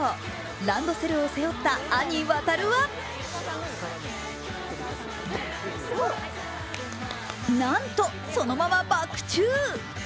ランドセルを背負った兄・航はなんと、そのままバク宙。